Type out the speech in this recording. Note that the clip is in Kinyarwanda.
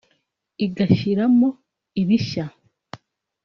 igashyiramo ibishya